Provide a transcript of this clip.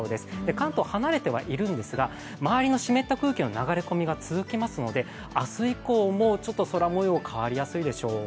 関東、離れてはいるんですが周りの湿った空気の流れ込みが続きますので明日以降もちょっと空もよう変わりやすいでしょう。